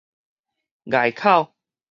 礙口